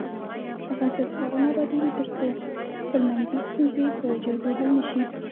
افغانستان تر هغو نه ابادیږي، ترڅو خپلمنځي ستونزې په جرګو حل نشي.